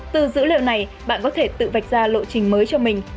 từ dữ liệu này bạn có thể tự vạch ra lộ trình mới cho mình